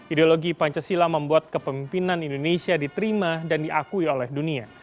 ideologi pancasila membuat kepemimpinan indonesia diterima dan diakui oleh dunia